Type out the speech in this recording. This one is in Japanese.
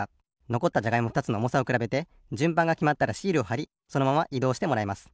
のこったじゃがいもふたつのおもさをくらべてじゅんばんがきまったらシールをはりそのままいどうしてもらいます。